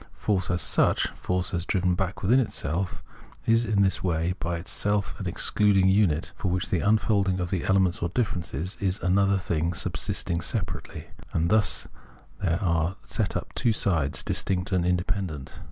Force as such, force as driven back within itself, is in this way by itself an excluding unit, for which the unfolding of the elements or differences is another thing subsisting separately ; and thus there are set up two sides, distinct and independent.